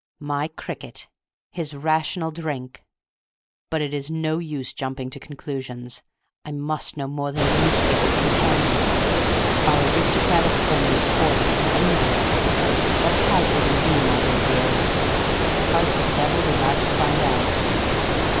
My cricket—his Rational Drink! But it is no use jumping to conclusions. I must know more than the newspapers can tell me. Our aristocratic friend is forty, and unmarried. What has he been doing all these years? How the devil was I to find out?"